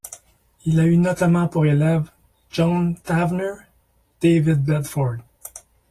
Il a eu notamment pour élèves John Tavener, David Bedford.